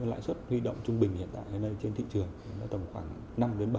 lãi suất huy động trung bình hiện tại trên thị trường là tầm khoảng năm bảy